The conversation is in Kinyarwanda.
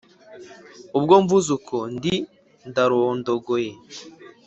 ubwo mvuze uko ndi ndarondogoye.